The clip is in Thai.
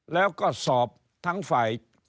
แล้วก็สอบทั้งฝ่าย